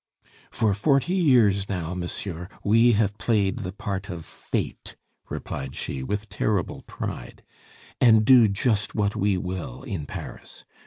"For forty years, now, monsieur, we have played the part of fate," replied she, with terrible pride, "and do just what we will in Paris.